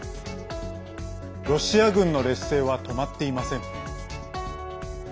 ロシア軍の劣勢は止まっていません。